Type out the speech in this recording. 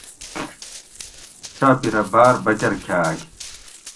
شاپیرہ باۤر بکۤر کھاۤگ